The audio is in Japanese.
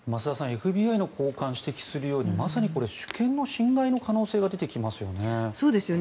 ＦＢＩの高官が指摘するようにまさにこれ、主権の侵害の可能性が出てきますよね。